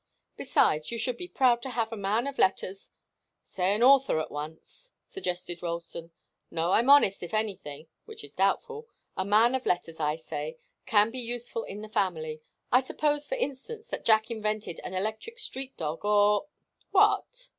Besides, you should be proud to have a man of letters " "Say an author at once," suggested Ralston. "No. I'm honest, if I'm anything, which is doubtful. A man of letters, I say, can be useful in a family. Suppose, for instance, that Jack invented an electric street dog, or " "What?"